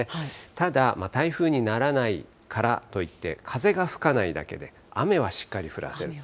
ただ、台風にならないからといって、風が吹かないだけで、雨はしっかり降らせると。